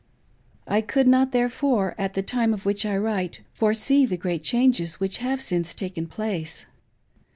I could not, therefore, at the time of which I write, foresee the great changes which have since taken place.